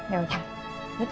ya udah yuk